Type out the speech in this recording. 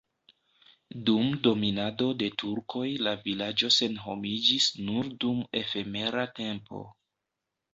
Dum dominado de turkoj la vilaĝo senhomiĝis nur dum efemera tempo.